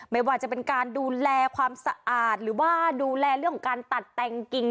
ไม่ว่าจะเป็นการดูแลความสะอาดหรือว่าดูแลเรื่องของการตัดแต่งกิ่ง